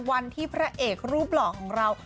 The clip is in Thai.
พระเอกรูปหล่อของเรา